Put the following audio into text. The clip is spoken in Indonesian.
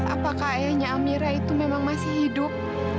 apakah ayahnya amira itu memang masih hidup